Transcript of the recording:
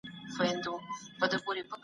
هغه پرون په مځکي کي کار وکړی.